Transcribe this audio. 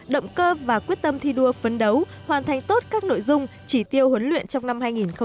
động cơ và quyết tâm thi đua phấn đấu hoàn thành tốt các nội dung chỉ tiêu huấn luyện trong năm hai nghìn hai mươi